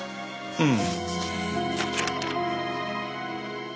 うん。